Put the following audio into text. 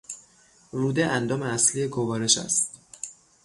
روده اندام اصلی گوارش است.